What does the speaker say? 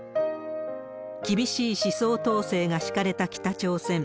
厳しい思想統制が敷かれた北朝鮮。